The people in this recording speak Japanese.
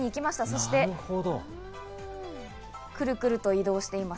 そしてクルクルと移動しています。